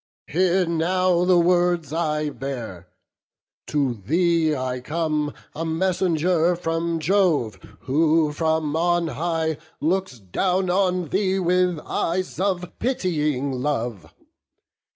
Hear now the words I bear; to thee I come A messenger from Jove, who from on high Looks down on thee with eyes of pitying love.